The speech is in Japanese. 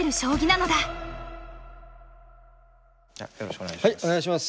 よろしくお願いします。